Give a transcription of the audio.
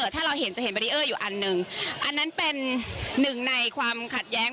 ถ้าเราเห็นจะเห็นเบรีเออร์อยู่อันหนึ่งอันนั้นเป็นหนึ่งในความขัดแย้ง